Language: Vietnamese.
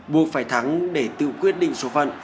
buộc phải thắng để tự quyết định số phận